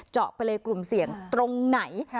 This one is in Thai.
เจาะไปเลยกลุ่มเสี่ยงตรงไหน